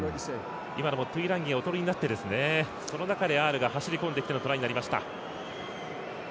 今のもトゥイランギがオトリになって、その中でアールが走りこんでのトライになりました。